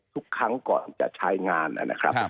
ทุกครั้งก่อนจะใช้งานนะครับ